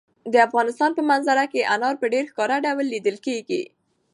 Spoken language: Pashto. د افغانستان په منظره کې انار په ډېر ښکاره ډول لیدل کېږي.